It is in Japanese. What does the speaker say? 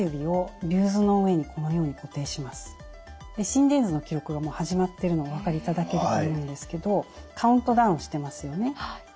心電図の記録がもう始まってるのお分かりいただけると思うんですけどカウントダウンしてますよね。